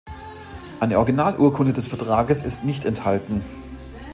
Eine Originalurkunde des Vertrages ist nicht erhalten.